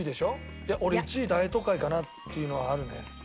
いや俺１位『大都会』かなっていうのはあるね。